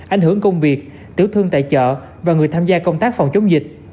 ảnh hưởng công việc tiểu thương tại chợ và người tham gia công tác phòng chống dịch